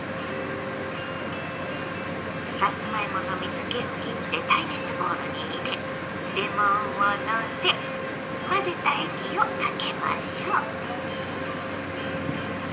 さつまいもの水けをきって耐熱ボウルに入れレモンをのせ混ぜた液をかけましょう。